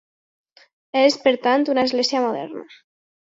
És, per tant, una església moderna.